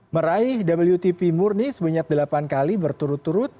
meraih wtp murni sebanyak delapan kali berturut turut